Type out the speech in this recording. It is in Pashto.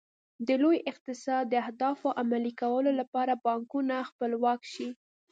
د لوی اقتصاد د اهدافو عملي کولو لپاره بانکونه خپلواک شي.